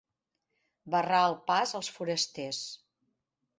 Barrar el pas als forasters.